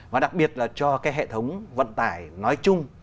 và đặc biệt là cho cái hệ thống vận tải nói chung